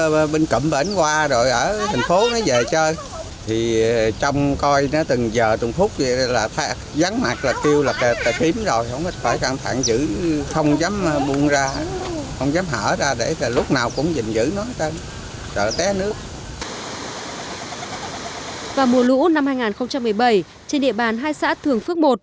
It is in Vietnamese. vào mùa lũ năm hai nghìn một mươi bảy trên địa bàn hai xã thường phước i